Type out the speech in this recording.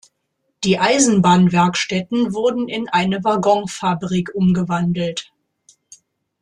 Die Eisenbahnwerkstätten wurden in eine Waggon-Fabrik umgewandelt.